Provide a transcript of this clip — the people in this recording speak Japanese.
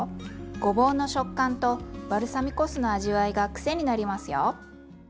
ごぼうの食感とバルサミコ酢の味わいが癖になりますよ。